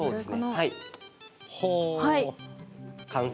はい。